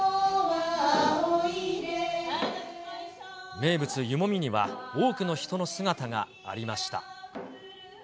名物、湯もみには多くの人の姿がありました。